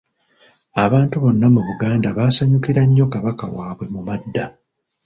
Abantu bonna mu Buganda baasanyukira nnyo Kabaka waabwe mu madda.